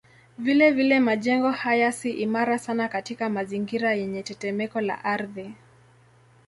Vilevile majengo haya si imara sana katika mazingira yenye tetemeko la ardhi.